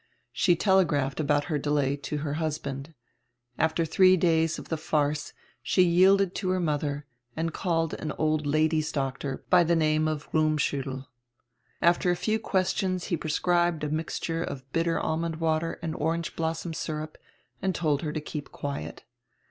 She telegraphed about her delay to her husband. After diree days of die farce she yielded to her modier and called an old ladies' doctor by die name of Rummschuttel. After a few questions he prescribed a mixture of bitter almond water and orange blossom syrup and told her to keep quiet.